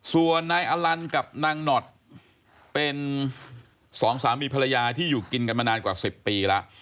ส่วนนายอลันกับนางหนอดเป็นสองสามีภรรยาที่อยู่กินกันมานานกว่า๑๐ปีแล้ว